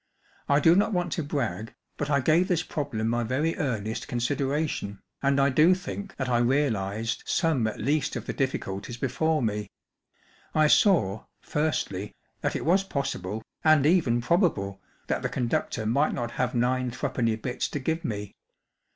I do not want to brag, but I gave this problem my very earnest considera¬ tion, and I do think that I realized some at least of the difficulties before me. I saw, firstly, that it was possible and even probable that the conductor might not have nine threepenny bits to give me.